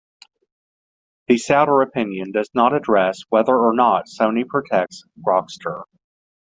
The Souter opinion does not address whether or not "Sony" protects Grokster.